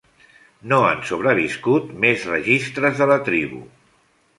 No han sobreviscut més registres de la tribu.